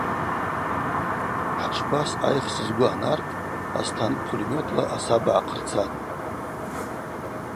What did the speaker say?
Хӏчӏвква съайхсыз гвы анарт астанк пулеметла асаба гӏахъырцатӏ.